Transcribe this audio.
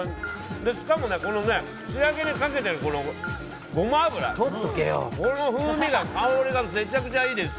しかも仕上げにかけているごま油、この風味が香りがめちゃくちゃいいです。